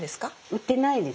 売ってないです。